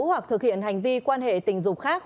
hoặc thực hiện hành vi quan hệ tình dục